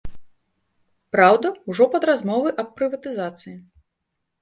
Праўда, ужо пад размовы аб прыватызацыі.